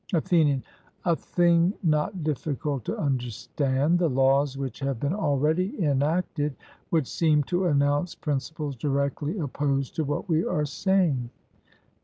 ATHENIAN: A thing not difficult to understand; the laws which have been already enacted would seem to announce principles directly opposed to what we are saying.